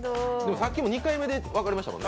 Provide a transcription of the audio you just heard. さっきも２回目で分かりましたもんね。